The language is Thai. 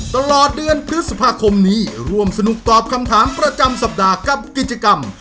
ตลอดเดือนพฤษภาคมนี้ร่วมสนุกตอบคำถามประจำสัปดาห์กับกิจกรรม